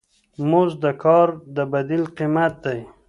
مزد د کار د بدیل قیمت دی.